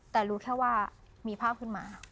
แต่รู้แค่ว่ามีภาพขึ้นมา